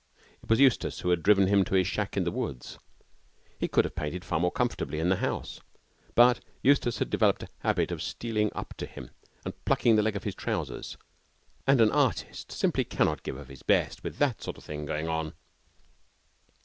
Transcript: It was Eustace who had driven him to his shack in the woods. He could have painted far more comfortably in the house, but Eustace had developed a habit of stealing up to him and plucking the leg of his trousers; and an artist simply cannot give of his best with that sort of thing going on.